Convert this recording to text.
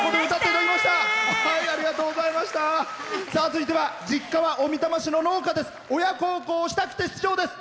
続いては実家は小美玉市の農家です。